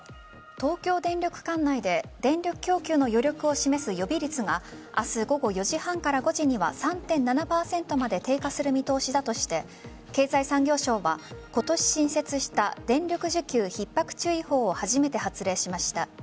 東京電力管内で電力供給の余力を示す予備率が明日午後４時半から５時には３．７％まで低下する見通しだとして経済産業省は今年新設した電力需給ひっ迫注意報を初めて発令しました。